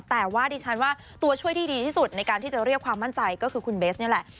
แต่ว่าดิฉันว่าตัวช่วยที่ดีที่สุดในการที่จะเรียกความมั่นใจก็คือคุณเบสนี่แหละ